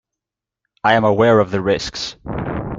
I am aware of the risks.